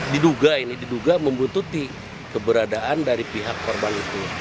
diduga ini diduga membutuhkan keberadaan dari pihak korban itu